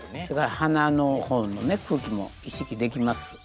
それから鼻の方のね空気も意識できます。